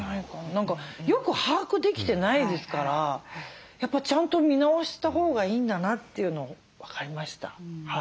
何かよく把握できてないですからやっぱちゃんと見直したほうがいいんだなっていうのを分かりました。